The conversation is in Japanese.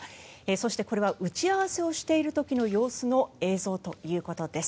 そして、これは打ち合わせをしている時の様子の映像ということです。